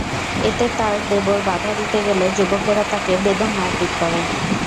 এতে তাঁর দেবর বাধা দিতে গেলে যুবকেরা তাঁকে বেদম মারপিট করে।